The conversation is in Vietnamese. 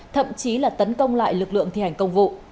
thậm chí là tấn công lại lực lượng thi hành công vụ